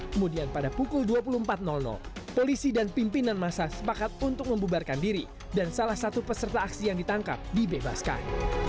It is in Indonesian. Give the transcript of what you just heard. kemudian pada pukul dua puluh empat polisi dan pimpinan masa sepakat untuk membubarkan diri dan salah satu peserta aksi yang ditangkap dibebaskan